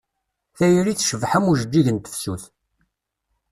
Tayri tecbeḥ am ujeǧǧig n tefsut.